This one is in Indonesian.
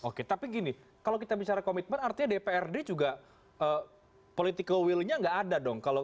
oke tapi gini kalau kita bicara komitmen artinya dprd juga political will nya nggak ada dong